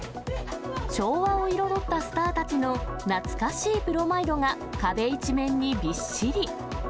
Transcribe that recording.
昭和を彩ったスターたちの懐かしいプロマイドが壁一面にびっしり。